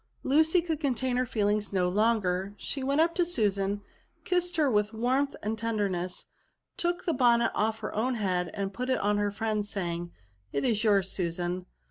Lucy could contain her feelings no longer ; she went up to Susan, kissed her with warmth and tenderness, took the bonnet off her own Iiead and put it on that of her friend ; saying, " It is yours, Susan."